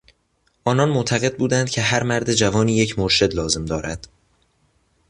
آنان معتقد بودند که هر مرد جوانی یک مرشد لازم دارد.